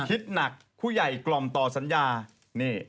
คิดหนักผู้ใหญ่กล่อมต่อสัญญานี่